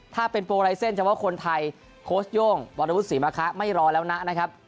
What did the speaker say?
ถ้าเป็นโปรไลเซ็นต์เฉพาะคนไทยโค้ชโย่งวรวุฒิศรีมะคะไม่รอแล้วนะนะครับ